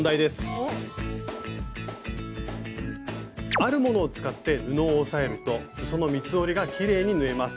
あるものを使って布を押さえるとすその三つ折りがきれいに縫えます。